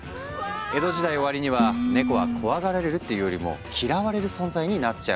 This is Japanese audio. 江戸時代終わりにはネコは怖がられるっていうよりも嫌われる存在になっちゃうんだ。